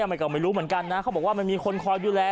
มันก็ไม่รู้เหมือนกันนะเขาบอกว่ามันมีคนคอยดูแล